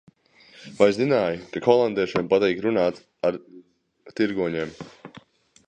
Vai zinājāt, ka holandiešiem patīk runāt ar tirgoņiem?